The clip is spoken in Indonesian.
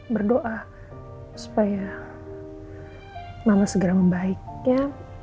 kita doa supaya mama segera membaik ya